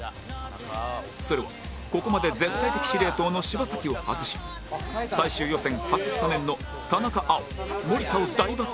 それはここまで絶対的司令塔の柴崎を外し最終予選初スタメンの田中碧守田を大抜擢